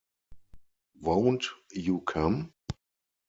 Won't you come?